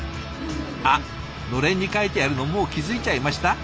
あっのれんに書いてあるのもう気付いちゃいました？